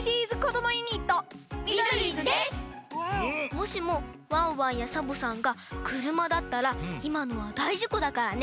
もしもワンワンやサボさんがくるまだったらいまのはだいじこだからね。